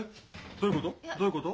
どういうこと？